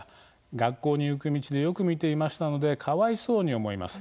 学校に行く道でよく見ていましたのでかわいそうに思います。